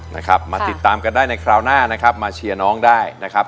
นะครับมาติดตามกันได้ในคราวหน้านะครับมาเชียร์น้องได้นะครับ